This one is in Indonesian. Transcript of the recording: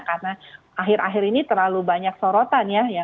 karena akhir akhir ini terlalu banyak sorotan ya